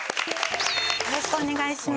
よろしくお願いします。